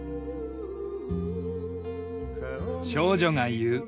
少女が言う。